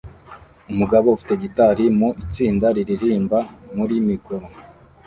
umugabo ufite gitari mu itsinda riririmba muri mikoro